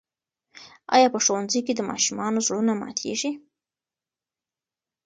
آیا په ښوونځي کې د ماشومانو زړونه ماتېږي؟